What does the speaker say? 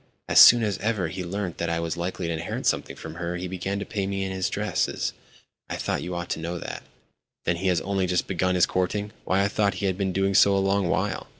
As soon as ever he learnt that I was likely to inherit something from her he began to pay me his addresses. I thought you ought to know that." "Then he has only just begun his courting? Why, I thought he had been doing so a long while!"